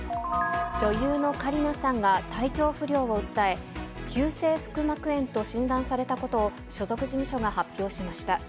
女優の香里奈さんが体調不良を訴え、急性腹膜炎と診断されたことを所属事務所が発表しました。